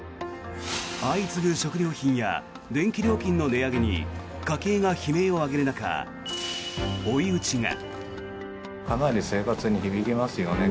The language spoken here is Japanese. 相次ぐ食料品や電気料品の値上げに家計が悲鳴を上げる中追い打ちが。